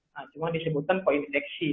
nah cuma disebutkan sebagai flurona